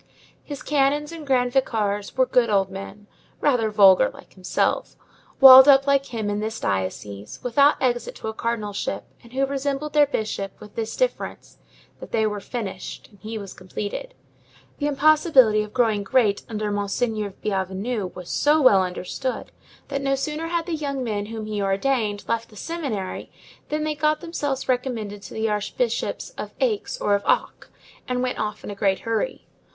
His canons and grand vicars were good old men, rather vulgar like himself, walled up like him in this diocese, without exit to a cardinalship, and who resembled their bishop, with this difference, that they were finished and he was completed. The impossibility of growing great under Monseigneur Bienvenu was so well understood, that no sooner had the young men whom he ordained left the seminary than they got themselves recommended to the archbishops of Aix or of Auch, and went off in a great hurry.